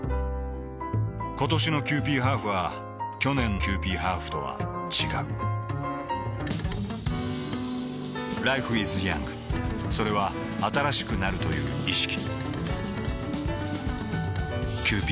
ことしのキユーピーハーフは去年のキユーピーハーフとは違うＬｉｆｅｉｓｙｏｕｎｇ．それは新しくなるという意識